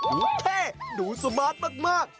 โอ้โฮเท่ดูสมัติมาก